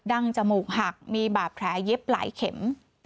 ั้งจมูกหักมีบาดแผลเย็บหลายเข็ม